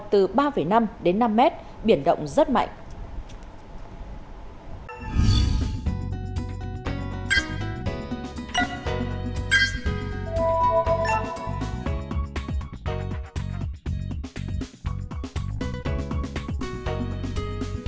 từ ba năm đến năm mét biển động rất mạnh